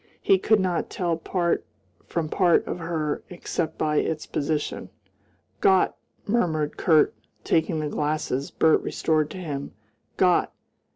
He could not tell part from part of her, except by its position. "Gott!" murmured Kurt, taking the glasses Bert restored to him "Gott!